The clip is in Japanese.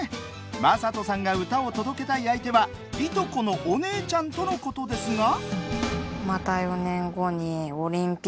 将人さんが歌を届けたい相手はいとこのおねえちゃんとのことですが。